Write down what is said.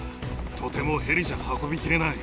とてもヘリじゃ運びきれない。